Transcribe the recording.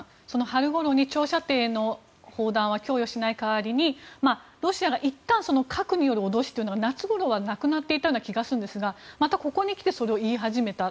春ごろに、長射程の砲弾は供与しない代わりにロシアがいったん核による脅しというのは夏頃なくなっていた気がしますがここにきて言い始めた。